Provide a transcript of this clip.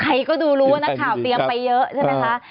ใครก็ดูรู้ว่านักข่าวเตรียมไปเยอะใช่ไหมคะ